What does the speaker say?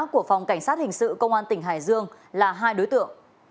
của phòng cảnh sát hình sự công an tỉnh hải dương là hai đối tượng